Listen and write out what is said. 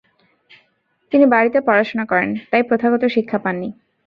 তিনি বাড়িতে পড়াশোনা করেন, তাই প্রথাগত শিক্ষা পাননি।